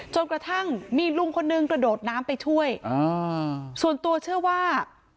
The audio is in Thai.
จนกระทั่งมีลุงคนหนึ่งกระโดดน้ำไปช่วยอ่าส่วนตัวเชื่อว่า